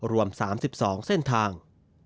รวม๓๒เส้นทาง